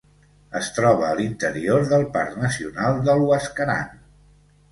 Es troba a l'interior del Parc Nacional del Huascarán.